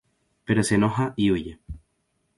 Pero se enoja y huye.